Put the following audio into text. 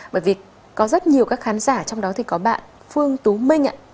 bởi vì có rất nhiều các khán giả trong đó thì có bạn phương tú minh ạ